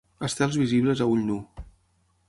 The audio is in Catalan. Estels visibles a ull nu.